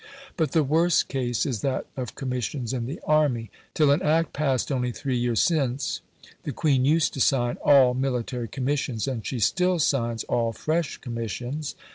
But the worst case is that of commissions in the army. Till an Act passed only three years since the Queen used to sign ALL military commissions, and she still signs all fresh commissions.